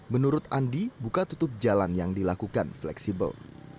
menurut andi buka tutup jalan yang dilakukan fleksibel